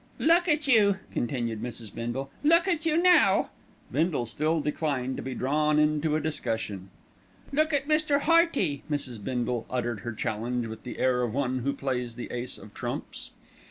"Look at you!" continued Mrs. Bindle. "Look at you now!" Bindle still declined to be drawn into a discussion. "Look at Mr. Hearty." Mrs. Bindle uttered her challenge with the air of one who plays the ace of trumps.